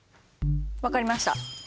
分かりました。